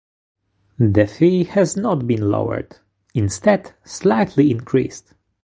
The fee has not been lowered, instead slightly increased.